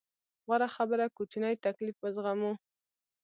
غوره خبره کوچنی تکليف وزغمو.